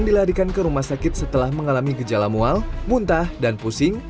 dilarikan ke rumah sakit setelah mengalami gejala mual muntah dan pusing